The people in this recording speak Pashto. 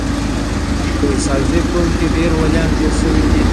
په اسحق زي قوم کي ډير وليان تیر سوي دي.